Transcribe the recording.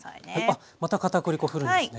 あっまた片栗粉ふるんですね。